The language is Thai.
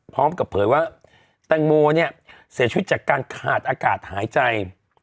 เผยว่าแตงโมเนี่ยเสียชีวิตจากการขาดอากาศหายใจ